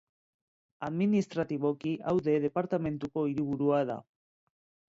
Administratiboki Aude departamenduko hiriburua da.